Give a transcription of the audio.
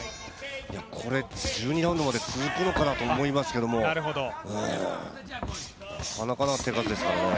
これ１２ラウンドまで続くのかなと思いますけどなかなかの手数ですからね。